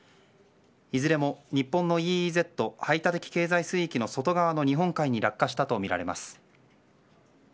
いずれも日本のＥＥＺ・排他的経済水域の外側の日本海に落下したとみられます。